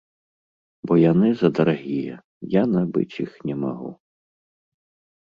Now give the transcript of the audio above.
Бо яны задарагія, я набыць іх не магу.